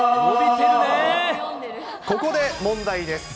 ここで問題です。